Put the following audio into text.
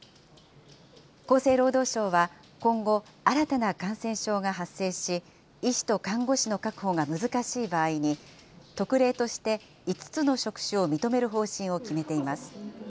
厚生労働省は、今後、新たな感染症が発生し、医師と看護師の確保が難しい場合に、特例として５つの職種を認める方針を決めています。